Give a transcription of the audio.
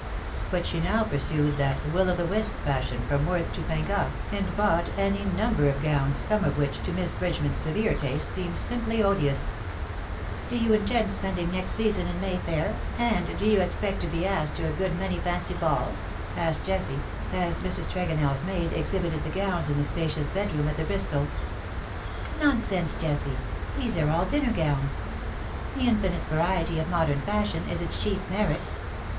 But she now pursued that Will o^ the Wisp fashion from Worth to Pin gat, and bought any number of gowns, some of which, to Miss Bridgeman\s severe taste, seemed simply odious. VOL. III. L 146 "tIxMe turns the old days to derision/^ '^ Do you intend spending next season in May Fair^ and do you expect to be asked to a good many fancy balls V asked Jessie, as Mrs TregonelFs maid exhibited the gowns in the spacious bedroom at the Bristol. '^Nonsense, Jessie. These are all dinner gowns. The infinite variety of modern fashion is its chief merit.